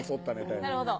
なるほど。